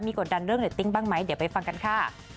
กดดันเรื่องเรตติ้งบ้างไหมเดี๋ยวไปฟังกันค่ะ